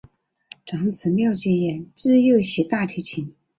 长子廖嘉言自幼习大提琴。